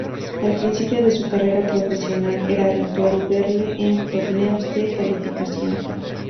Al principio de su carrera profesional era habitual verle en torneos de calificación.